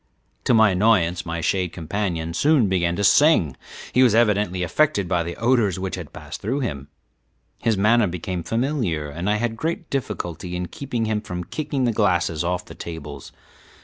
To my annoyance my shade companion soon began to sing he was evidently affected by the odors which had passed through him. His manner became familiar, and I had great difficulty in keeping him from kicking the glasses off the tables.